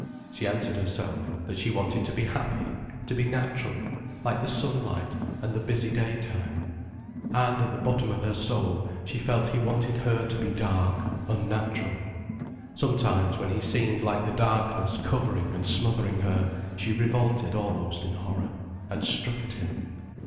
She answered herself, that she wanted to be happy, to be natural, like the sunlight and the busy daytime. And, at the bottom of her soul, she felt he wanted her to be dark, unnatural. Sometimes, when he seemed like the darkness covering and smothering her, she revolted almost in horror, and struck at him.